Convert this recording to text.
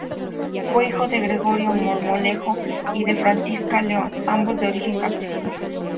Fue hijo de Gregorio Marmolejo y de Francisca León, ambos de origen campesino.